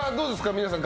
皆さん。